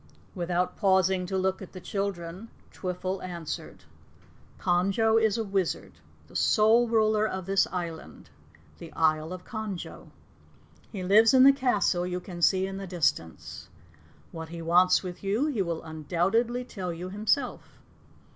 Without pausing to look at the children, Twiffle answered: "Conjo is a Wizard the sole ruler of this island, the Isle of Conjo. He lives in the castle you can see in the distance. What he wants with you, he will undoubtedly tell you himself."